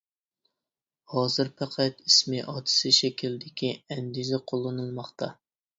ھازىر پەقەت ئىسمى-ئاتىسى شەكلىدىكى ئەندىزە قوللىنىلماقتا.